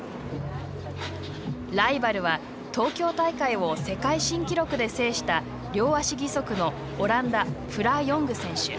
ライバルは東京大会を世界新記録で制した両足義足のオランダ、フラー・ヨング選手。